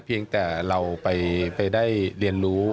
เพียงแต่เราไปได้เรียนรู้